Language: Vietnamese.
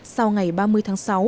sau ngày ba mươi tháng sáu